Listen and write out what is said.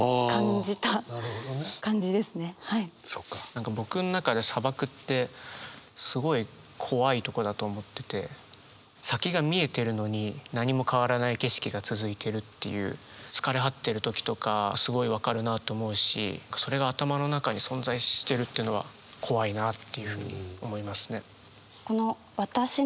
何か僕の中で砂漠ってすごい怖いとこだと思ってて先が見えてるのに何も変わらない景色が続いてるっていう疲れ果ててる時とかすごい分かるなと思うしそれが頭の中に存在してるっていうのは怖いなっていうふうに思いますね。